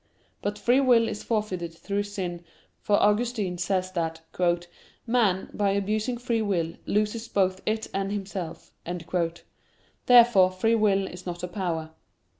But free will is forfeited through sin; for Augustine says that "man, by abusing free will, loses both it and himself." Therefore free will is not a power.